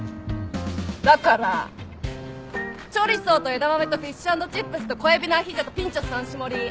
だからチョリソーと枝豆とフィッシュ＆チップスと小エビのアヒージョとピンチョス３種盛り。